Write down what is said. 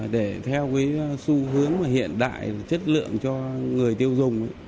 để theo cái xu hướng mà hiện đại chất lượng cho người tiêu dùng